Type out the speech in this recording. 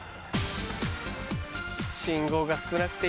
信号が少なくていいね。